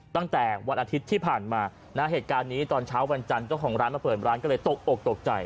ตั้งแต่วันอาทิตย์ที่ผ่านมานะเหตุการณ์นี้ตอนเช้าวันจันทร์เจ้าของร้านมาเปิดร้านก็เลยตกอกตกใจ